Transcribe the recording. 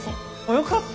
よかった。